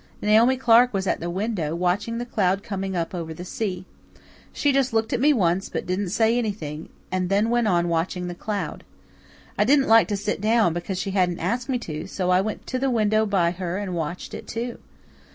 Naomi Clark was at the window, watching the cloud coming up over the sea. She just looked at me once, but didn't say anything, and then went on watching the cloud. I didn't like to sit down because she hadn't asked me to, so I went to the window by her and watched it, too.